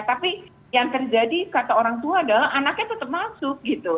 tapi yang terjadi kata orang tua adalah anaknya tetap masuk gitu